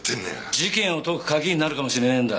事件を解く鍵になるかもしれねえんだ。